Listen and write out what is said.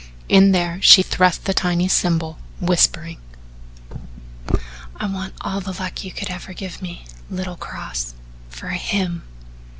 In there she thrust the tiny symbol, whispering: "I want all the luck you could ever give me, little cross for HIM."